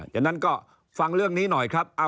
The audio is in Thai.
อย่างนั้นก็ฟังเรื่องนี้หน่อยครับ